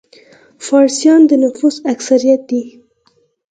فارسیان د نفوس اکثریت دي.